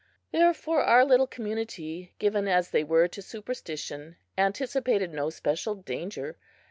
Therefore our little community, given as they were to superstition, anticipated no special danger.